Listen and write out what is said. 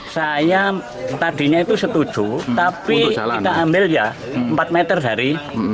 saya tadinya itu setuju tapi kita ambil ya empat meter sehari